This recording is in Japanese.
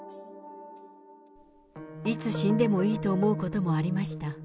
いつ死んでもいいと思うこともありました。